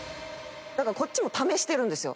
こっちも試してるんですよ。